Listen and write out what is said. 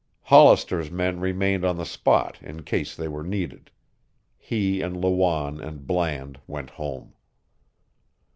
Hollister's men remained on the spot in case they were needed; he and Lawanne and Bland went home.